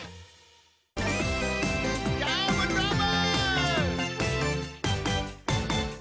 どーもどーも！